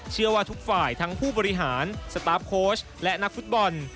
เชื่อว่าทุกฝ่ายทั้งผู้บริหารสตาร์ฟโค้ชและนักฟุตบอล